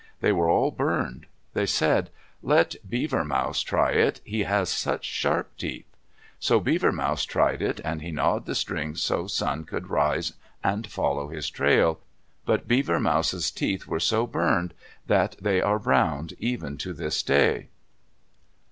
They were all burned. They said, "Let Beaver Mouse try it. He has such sharp teeth." So Beaver Mouse tried it, and he gnawed the string so Sun could rise and follow his trail. But Beaver Mouse's teeth were so burned that they are brown even to this day.